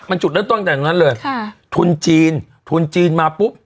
มันจุดได้ต้องจากนั้นเลยค่ะทุนจีนทุนจีนมาปุ๊บ